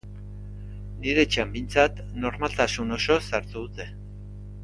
Nire etxean behintzat normaltasun osoz hartu dute.